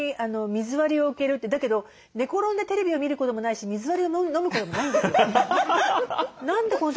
だけど寝転んでテレビを見ることもないし水割りを飲むこともないんですよ。